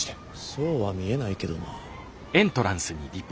そうは見えないけどな。